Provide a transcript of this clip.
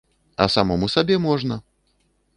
А самому сабе можна.